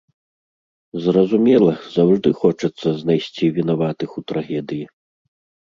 Зразумела, заўжды хочацца знайсці вінаватых у трагедыі.